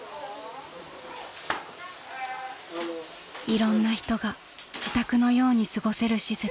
［いろんな人が自宅のように過ごせる施設］